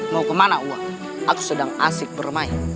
mau ke mana wak aku sedang asyik bermain